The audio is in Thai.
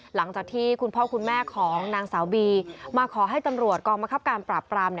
หลังจากที่คุณพ่อคุณแม่ของนางสาวบีมาขอให้ตำรวจกองบังคับการปราบปราม